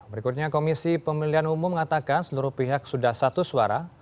berikutnya komisi pemilihan umum mengatakan seluruh pihak sudah satu suara